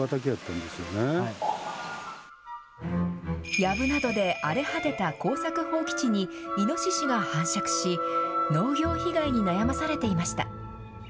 やぶなどで荒れ果てた耕作放棄地に、イノシシが繁殖し、農業被害に悩まされていました。